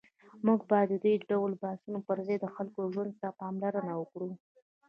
موږ باید د دې ډول بحثونو پر ځای د خلکو ژوند ته پاملرنه وکړو.